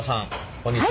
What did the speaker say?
こんにちは。